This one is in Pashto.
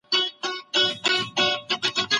د سیاست په برخه کې د خلکو ګډون مهم دی.